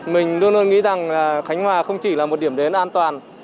mình luôn luôn nghĩ rằng khánh hòa không chỉ là một điểm đến an toàn